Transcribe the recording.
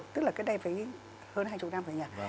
tức là cái đây phải hơn hai mươi năm rồi nhỉ